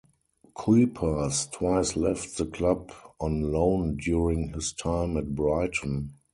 Kuipers twice left the club on loan during his time at Brighton.